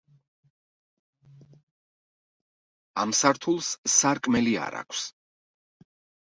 ამ სართულს სარკმელი არ აქვს.